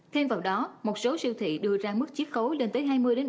thêm vào đó một số siêu thị đưa ra mức chiếc khấu lên tới hai mươi ba mươi